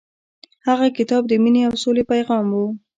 هغه کتاب د مینې او سولې پیغام و.